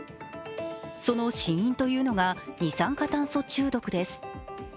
その死因というのが二酸化炭素中毒です。